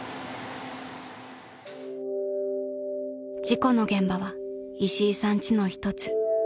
［事故の現場はいしいさん家の一つ］